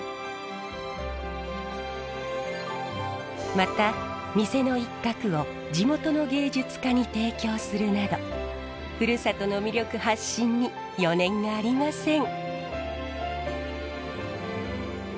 また店の一角を地元の芸術家に提供するなどふるさとの魅力発信に余念がありません。